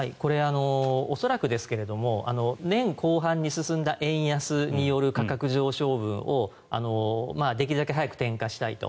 恐らくですが年後半に進んだ円安による価格上昇分をできるだけ早く転嫁したいと。